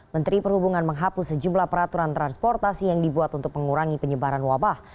menteri perhubungan menghapus sejumlah peraturan transportasi yang dibuat untuk mengurangi penyebaran wabah